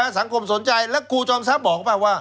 สังคมสนใจแล้วครูจอมทรัพย์บอกเปล่าว่า